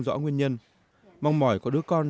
rõ nguyên nhân mong mỏi có đứa con